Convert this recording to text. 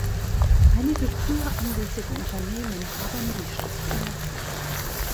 Einige früher ansässige Unternehmen haben die Stadt verlassen.